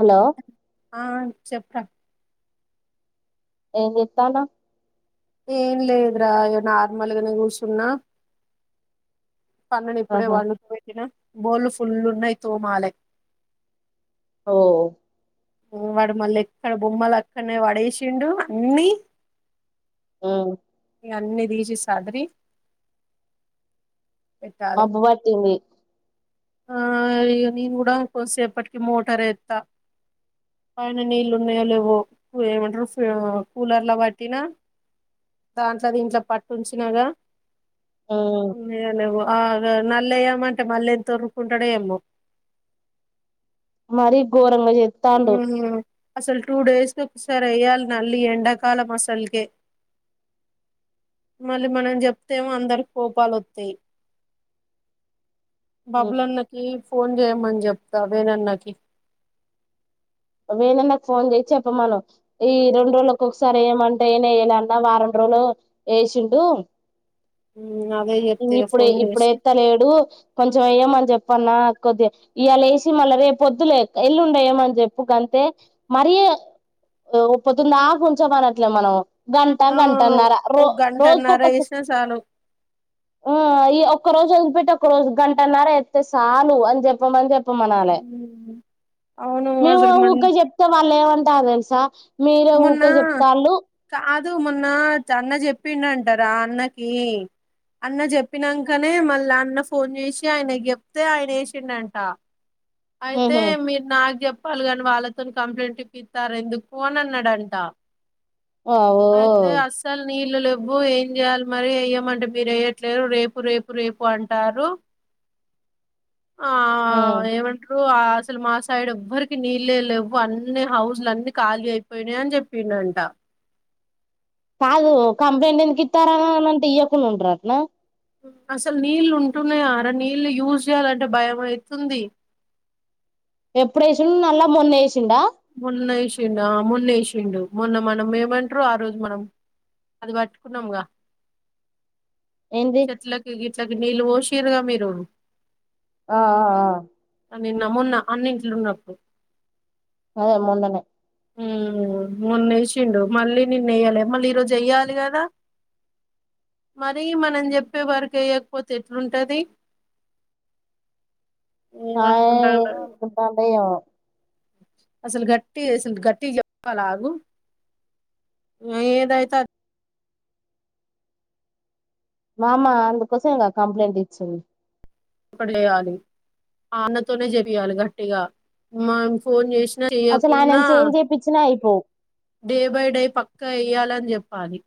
Hello ఆ చెప్పే ఏ చేత్తాన్నావ్ ఏన్లేదురా ఇయ నార్మల్గానే కూసున్నా పండునిప్పుడే ఆహా పండుకుపెట్టిన బోళ్లు ఫుల్లున్నాయి తోమాలె ఓ వాడు మళ్ళెక్కడ బొమ్మలు అక్కడనే పడేసిండు అన్ని మ్ అన్నీ తీసి సదిరి పెట్టాలే మబ్బు బట్టింది ఆ ఇగ నేను గూడా కొద్దిసేపటికి మోటార్ ఏత్తా పైన నీళ్ళు ఉన్నాయో లేవో ఏమంటారు కూలర్ లో పట్టినా దాంట్లో దీంట్లో పట్టించినగ ఉమ్ ఉన్నాయొ లేవో ఆ నల్లెయ్యమంటే మళ్ళీ ఎంతొరుకుంటాడో ఏమో మరి ఘోరంగా చేత్తాండు హ్మ్ అసలు టూ డేస్ కొకసారి ఎయ్యాలి నల్లీ ఎండాకాలం అసలుకే మళ్ళీ మనం చెప్తేమో అందరి కోపాలొత్తాయి ఉమ్ బబ్లన్నకి ఫోన్ చేయమని చెప్తా వేణన్నకి వేణన్నకి ఫోన్ చేసి చెప్పమను ఈ రెండు రోజులక్కొక్కసారెయ్యమంటే ఎయ్నే ఏయ్యాలే అన్న వారం రోజులు యేసిండు హ్మ్ అదే ఇ చెప్తా ఇగ ఇప్పుడు ఫోన్ చేసి ఇప్పుడేత్తలేడు కొంచెం ఎయ్యమ చెప్పన్నా కొద్ది ఇయాళేసి మళ్ళా రేపొద్దులే ఎల్లుండెయ్యమని చెప్ ఉప్పు కంతే మరి ఒప్పతుందా ఆ కొంచమనట్లే మనం గంట ఆ గంటన్నర రో ఓ గంటన్నర రోజుకొక్క ఏసినా చాలు ఈ ఈ ఒక్కరోజొదిలిపెట్టి కరోజు గంటన్నర ఎత్తే సాలు అన్ చెప్పమని చెప్ అవును మేము అసలు మన్ ఊకే చెప్తే వాళ్ళు ఏమంటరు తెలుసా మీరుే ఊకే చెప్తళ్ళు దు మొన్న అన్న చెప్పిండ అంటారా అన్నకి అన్న చెప్పినాకనే మళ్ళీ అన్న ఫోన్ చేసి ఆయనకి చెప్తే ఆయన వేసిండంట అయితే ఉహు మీరు నా కానీ వాళ్ళతో కంప్లైంట్ ఇప్పితల్లు ఎందుకు దంట వావ్వో నీళ్ళు లెవ్వు ఏం చేయాలి మరి వెయమంటే మీరు వేయ్యట్లేరు రేపు రేపు రేపు అంటారు ఆ ఉమ్ ఏవంటారు అసలు మా సైడ్ ఎవ్వరికి నీళ్ళే లేవు అన్ని హౌజలు అన్ని ఖాళీ అయిపో పోయినాయ్ అని చెప్పిన్నంటా కాదు కంప్లైంట్ ఎందుకు ఇస్తారనా అనింటే ఇయ్యకుండా ఉంటారు అటనా అసలు నీళ్ళు ఉంటున్నాయా అరా నీళ్లు యూజ్ చేయాలంటే భయం అవుతుంది ఎప్పుడు వేసి నళ్ల మొన్న వేసిడా మొన్న వేసిండు ఆ మొన్న వేసిండు మొన్న మనం ఏమంటారు ఆ రోజు మనం అది పట్టుకున్నాముగా ఏంది చెట్లకి గిట్లా నీళ్ళు పోషిరుగా మీరు ఆ ఆ ఆ నిన్న మొన్న అన్ని ఇంట్లో ఉన్నప్పుడు అ మొన్ననే ఉ మొన్న వేసిిండు మళ్ళీ నిన్ను వయ్యాలే మళ్ళీ ఈరోజు వయ్యాలి కదా మర మనం చెప్పే వరకు వేయ్యకపోతే ఎట్లుంటది ఆ ఏమనుకుంటాండో ఎం అనుకుంటండో ఏమో అసలు గట్టిగా గట్టిగ చెప్పాలే అగు ఏది అయితే అది మామా అందుకోసం ఇంకా కంప్లైంట్ ఇచ్చింది అక్కడ వయాలి అన్నతోనే చెపయాలి గట్టిగా మం ఫోన్ చేసి అసలు ఆయనను చేంజ్ చేయిచ్చినా అయి పోవు డే బై డే పక్క వయ్యాలని చెప్పాలి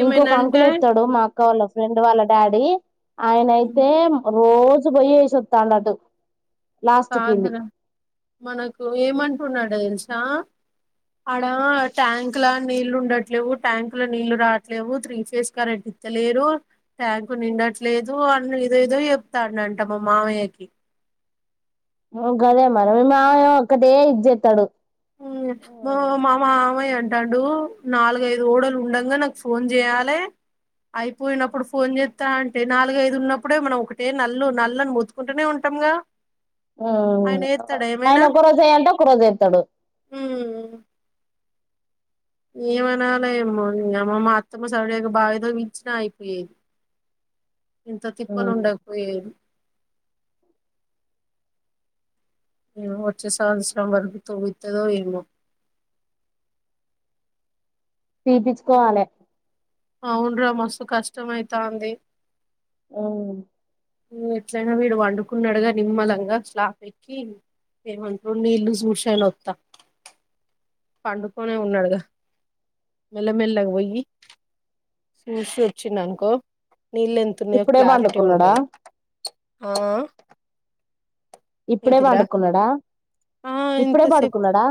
ఏమైనా ఇంకొక అంటే అంకులు ఏస్తాడు మా అక్క వాళ్ళ ఫ్రెండ్ వాళ్ళ డాడీ "ఉమ్, ఆయనయితే రోజు పొయ్యి ఏసీ వాతండు అటు లాస్ట్ కింది కాదురా మనకు ఏమంటున్నాడు తెలుసా సా అడ ట్యాంక్ లా నీళ్లు ఉండట్లేవు ట్యాంకు లో నీళ్ళు రాట్లేవు త్రీ ఫేస్ కరెంట్ ఇత్తలేరు ట్యాంకు నిండట్లేదు అని ఏదో ఏదో చెప్తానంట మా మావయ్యకి గదే మరి మీ మావ ఏమో ఒక్కటే ఇది చేస్తాడు మా మామాయ్యా అంటే రెండు నాలుగైదు ఓడలు ఉండగా నాకు ఫోన్ చేయాలే అయిపోయినప్పుడు ఫోన్ చేత్తా అంటే నాలుగైదు ఉన్నప్పుడే మనం ఒకటే నల్లు నల్లని మొతుకుంటనే ఉంటాం కదా హ్మ్ ఆయన ఒక రోజు ఎయ్యంటే ఒక రోజు ఎస్తాడు ఉం ఏమనాలే ఎమ్మో నీ అమ్మ మా అత్తమ్మ సపుడేక బావి తవ్వించినా అయిపోయేది. ఇంత తిప్పలు ఉండకపోయేది ఏమో వచ్చే సంవత్సరం వరకి తోవ్విత్తదో ఏమో తీపిచుకోవాలే అవును రా మస్తు కష్టం అయితాంది హ్మ్ హ్మ్ ఎట్లయినా వీడు పండుకున్నాడుగా నిమ్మలంగా స్లాప్ ఎక్కి ఏమంట్రూ నీళ్లు సుషయినా వత్త పండుకోనే ఉన్నాడుగా మెళ్ల మెళ్ల గా పొయ్యి చూసి వచ్చిన్ననుకో నీళ్ళ ఎంతున్నాయో ఇప్పుడే క్లారిటీ పండుకున్నాడా ఉంటది ఆ ఇప్పుడే ఏంటిది రా పండుకున్నాడా ఆ ఇంత ఇప్పుడే సేపు పడుకున్నాడా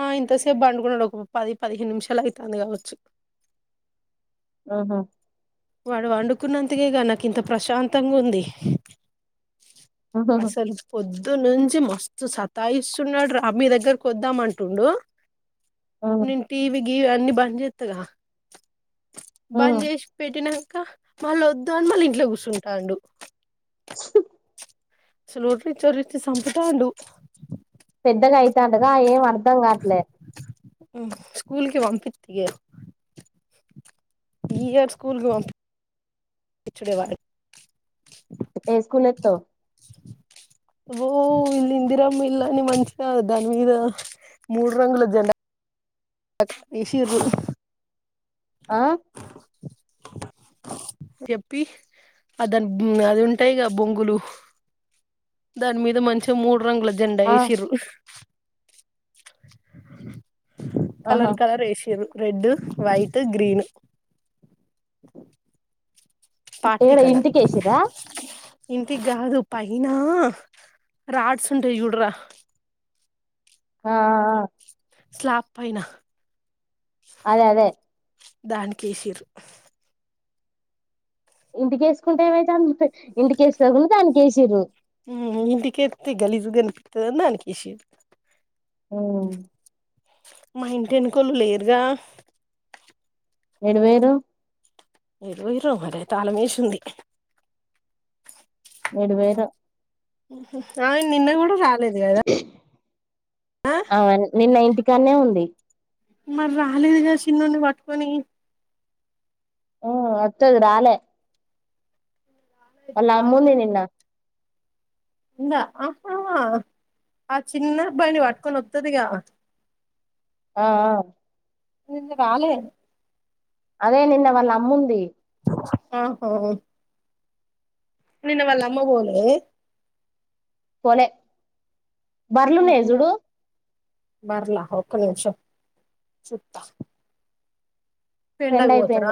ఆ ఇంత సేపు బండుకున్నాడు ఒక పది పదిహేను నిమిష నెల అయితంది కావచ్చు ఉహు వాడు వండుకున్నంతకేగా నాకు ఇంత ప్రశాంతంగా ఉంది హ్మ్ అసలు పొద్దు దునుంచి మస్తు సతాయిస్తున్నాడు రా మీ దగ్గరకు వద్దాం అంటుండు మ్మ్ నిన్ టీవి గీవన్ని బంజేత్తగా మ్మ్ బంజేష్ ట్టినాంక మళ్ళ వద్దు అని మళ్ళీ ఇంట్లో కూసుంటాండు [unintelligible] సలు ఒర్రిచ్చి ఒర్రిచ్చి సంపుతాండు పెద్దగా అయితండుగా ఏం అను అద్దాం కాట్లే స్కూల్కి పంపిత్తిగ ఈఏడు స్కూల్కి పంప్ పిచుడేవాడు ఏ స్కూల్లేత్తావ్ ఓ ఇళ్ల ఇందిరం ఇల్లాని మంచిగా దాని మీద మూడు రంగుల జండ తీషిర్రు ఆ ఎప్పి అదద్ అది ఉంటాయిగా బొంగులు దాని మీద మంచిగా మూడు రంగుల జెండా ఆ ఎసిరు [inaudible] ఆహా కలర్ కలర్ ఏషిర్రు రెడ్ వైట్ గ్రీను పాట్టీ ఏడ కలర్ ఇంటికేసిర్రా ఇంటికి కాదు పై ఐనా రాడ్సుంటయి చూడ్ రా ఆ స్లాబ్ పైన అదె అదె దానికేసిర్రు ఇంటికేసుకుంటె ఏమైతాంది ఇక్క ఇంటికేస్తే ఏముందని దానికేసిర్రు హు ఇంటికేత్తే గలీజుగనిపిత్తదని దానికేసిర్రు అ మా ఇంటి ఎనకొల్లు లేరుగా ఏడికి పోయిర్రు ఏడికి పోయిర్రో మరి తాలమేషింది ఏడికి పోయిర్రో ఉహు అ నిన్న కూడ సాక్ లేద్ కదా అవును నిన్న ఇంటికాడనే ఉంది మరి రాలేదు కద చిన్నోడ్ని పట్టుకొనికి ఊ వత్తది రాలె వాళ్ల అమ్ముంది నిన్న ఆ ఆ చిన్నబ్బాయిని పట్కొని వత్తదిగా ఆ నిన్న రాలేద్ అదే నిన్న వాళ్ళ అమ్ముంది ఆహ నిన్న వాళ్ళ అమ్మ పొందికదే పోలె బర్లున్నాయి జుడు బర్లా ఒక్క నిమిషం చూత్త పిండగపోతార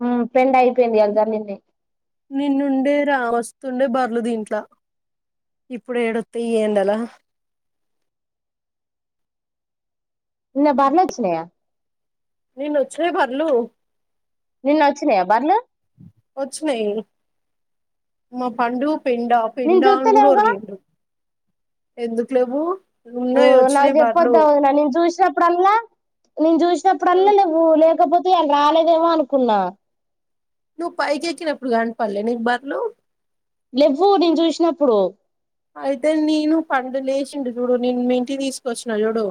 హ పెండ్ అయిపోయింది కదా బర్లిడ్నే నిన్నుండే రా వస్తుండె బర్లు దీంట్ల ఇప్పుడు ఏడొత్తయి ఈ ఎండల నిన్న బర్లొచ్చినయ నిన్న వొచ్చినయి బర్లు నిన్న వచ్చినయా బర్లు వచ్చినయి మా పండు పెండా నేను పెండా అని కూడ చూత్తలేవుగా వోర్లిండ్రు ఎందుకు లేవు ఓ ఉన్నాయి నాకు వచ్చినయి బర్లు చెప్పొద్దు వదిన అ నేను చూసినప్పుడల్ల నేను చూసినప్పుడల్ల లేవ్వు లేకపోతె ఇయాల రాలేదేమో అనుకున్నా నువ్వు పైకి ఎక్కినప్పుడు కనపడలె నీకు బర్లు లెవ్వు నేను చూసినప్పుడు అయితే నేను పండు లేచిండు చూడు నేను మీ ఇంటికి తీసుకొచ్చిన చూడు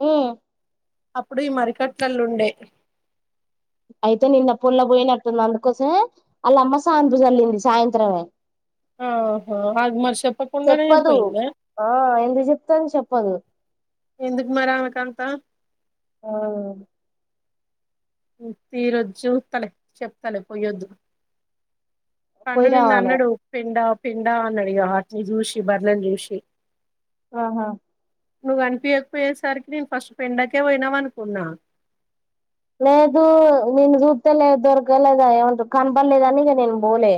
మ్మ్ అప్పుడు ఈ మరికట్లలుండే అయితే నిన్న పుల్ల పోయినట్టుంది అందుకోసమే అళ్ అమ్మ సానుభజల్లింది సాయంత్రమే ఆహా అది మరి చెప్పకుండానే చెప్పదు పోయిందా ఆ ఎందుకు చెప్తాది చెప్పదు ఎందుకు మర ఆమె కంత ఆ తీ రజు చూత్తలే చెప్తలే పోయ్యొద్దు పన్ను పోయి నిన్న రావాలే అన్నడు పిండా పిండా అన్నడు ఇగ ఆత్ని జూసి బర్లేన్ జూషి ఆహా నువ్వు అనిపియకపోయేసరికి నేను ఫస్ట్ పెండకే పోయినావ అనుకున్నా లేదు నిన్ను చూత్తలే దొరకలేదా ఏమంట కనపల్లేద అని ఇగ నేను పోలే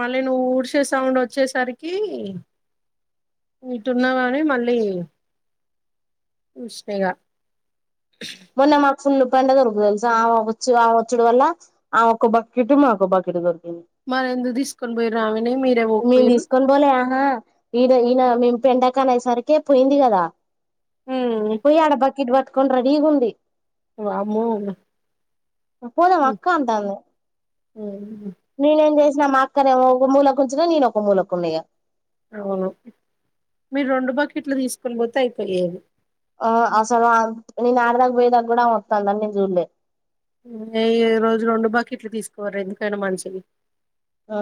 మళ్ళీ నువ్వు ఊడ్సే సౌండ్ వచ్చేసరికి ఇటున్నా కాని మళ్ళీ చూసిన గా వొన్న మా ఫుల్లు పండ దొరుకు తెలుస ఆమె వచ్చు ఆ వచ్చుడు వల్ల ఆ ఒక్క బకెట్ మా ఒక బకెట్ దొరుకుత్ మరెందుకు తీసుకొని పోయి నా ఆమెని మీర్ మేము తీసుకొని పోలే ఆహా ఇడా ఈయన మేం పెంట కొనే సరికే పోయింది కదా ఉమ్ పోయి అడా బకెట్ పెట్ ఇకం రెడీ ఉంది వామ్మో పోదామా అక్క అంటాది నేనేమ్ చేస్ మా అక్క నేమో మూలక్ కొంచమే నీను ఒక మూలక్ ఉన్నాయా అవును మీరు రెండు బకెట్లు తీసుకొని పోతే అయిపోయేది ఆ అసలు ఆమ్ నేన్ ఆడదాగ పోయే దాక కూడ అమె వత్తాండా అద్ నేన్ చూడలే మ్మ్ రోజు రెండు బకెట్లు తీసుకోవాలి ఎందుకైనా మంచిది ఆ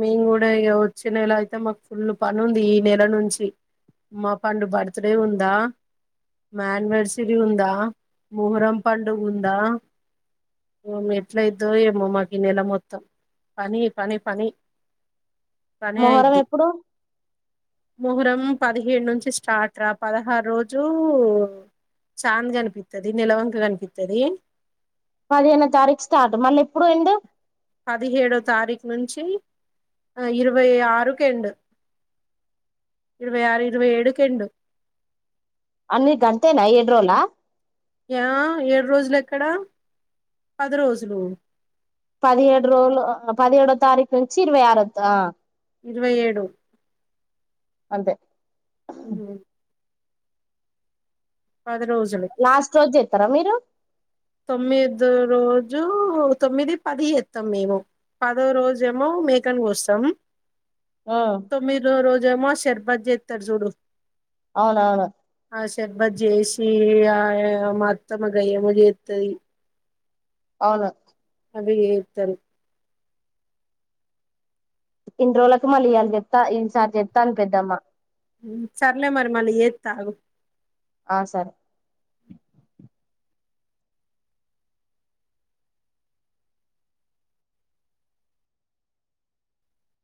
మేము కూడా ఇక వచ్చే నెల అయితే మాకు ఫుల్ పని ఉంది ఈ నెల నుంచి మా పండు బర్త్డే ఉందా మా యానివర్సరీ ఉందా ముహరం పండుగ ఉందా మ్మ్ ఎట్లయిద్దో ఏమో మాకు ఈ నెల మొత్తం పని పని పని పనే మొహరం అయిద్ది ఎప్పుడు మొహరం మ్మ్ పదిహేడు నుంచి స్టార్ట్ రా పదహారు రోజు చాంద్ కనిపిత్తది నిలవంక కనిపిత్తది పదిహేన తారీఖు స్టార్ట్ మళ్ళీ ఎప్పుడు ఎండ్ పదిహేడో తారీఖు నుంచి ఇరవై ఆరుకెండు ఇరవై ఆరు ఇరవై ఏడుకెండు అన్ని గంతేనా ఏడ్రోలా యా ఏడు రోజులు ఎక్కడా పది రోజులు పదిహేడు రోలు పదిహేడో తారీకు నుంచి ఇరవై ఆరుత్ ఆ ఇరవై ఏడు అంతే హ్మ్ పది రోజులు త్తరా మీరు తొమ్మిదో రోజు తొమ్మిది పది ఎస్తాం మేము పదో రోజుేమో మేకని కోస్తాం ఉమ్ తొమ్మిదో రోజెమో మ శర్బత్ చెత్తరు చూడు అవునవును శషబ్బత్ చేసి ఆ మాత్తమ్మ గయ్యేమొ చే తాది అవును అవి చేతది ఇన్ని రోజులకు మళ్ళీ ఇవాళ చెప్తా ఈసారి చెత్తంది పెద్దమ్మా సర్లే మరి మరి మళ్లీ చేత ఆగు ఆ సరే